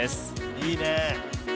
いいね。